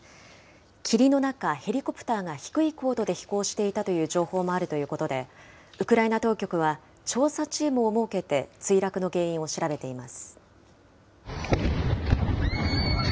霧の中、ヘリコプターが低い高度で飛行していたという情報もあるということで、ウクライナ当局は、調査チームを設けて墜落の原因を調べています。